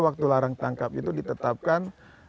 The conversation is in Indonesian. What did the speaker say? waktu larang tangkap itu ditetapkan